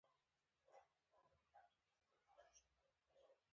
د کمپیوټر لومړنۍ ژبه یوه ښځې اختراع کړې ده.